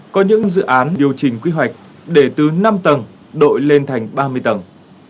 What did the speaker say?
có những dự án điều chỉnh quy hoạch để từ năm tầng đội lên thành ba mươi tầng